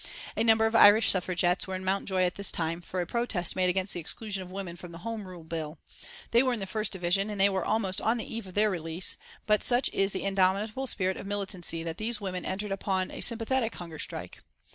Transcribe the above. A number of Irish Suffragettes were in Mountjoy at this time for a protest made against the exclusion of women from the Home Rule Bill. They were in the first division, and they were almost on the eve of their release, but such is the indomitable spirit of militancy that these women entered upon a sympathetic hunger strike.